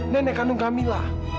nenek kandung kamila